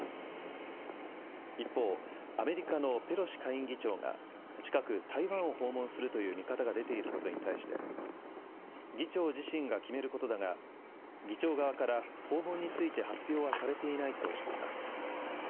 一方、アメリカのペロシ下院議長が近く、台湾を訪問するという見方が出ていることに対して、議長自身が決めることだが、議長側から訪問について発表はされていないとしています。